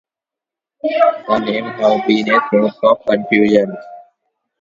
The name has been a source of confusion.